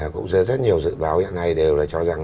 cũng rất nhiều dự báo hiện nay đều là cho rằng